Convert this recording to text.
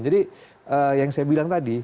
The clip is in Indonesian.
jadi yang saya bilang tadi